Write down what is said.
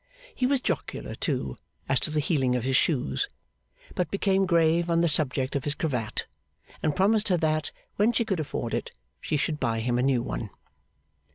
He was jocular, too, as to the heeling of his shoes; but became grave on the subject of his cravat, and promised her that, when she could afford it, she should buy him a new one.